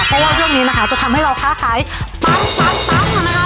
เพราะว่าช่วงนี้นะคะจะทำให้เราค้าขายปังปั๊งนะคะ